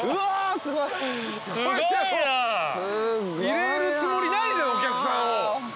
入れるつもりないじゃんお客さんを。